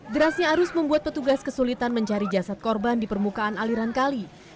derasnya arus membuat petugas kesulitan mencari jasad korban di permukaan aliran kali